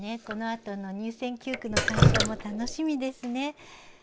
このあとの入選九句の鑑賞も楽しみですね。